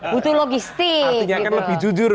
butuh logistik artinya kan lebih jujur